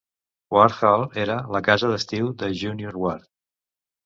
Ward Hall era la casa d'estiu de Junius Ward.